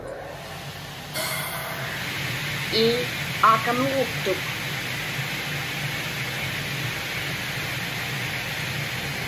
Ii, aakamuguktuk.